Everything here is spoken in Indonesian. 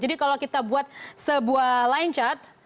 jadi kalau kita buat sebuah line chart